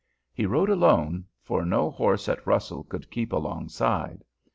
He rode alone, for no horse at Russell could keep alongside.